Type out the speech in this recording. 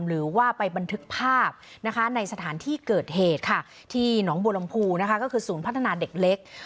หรือว่าไปบันทึกภาพนะคะในสถานที่เกิดเหตุค่ะที่หนองบัวลำพูนะคะก็คือศูนย์พัฒนาเด็กเล็ก